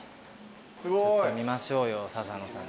ちょっと見ましょうよ笹野さん。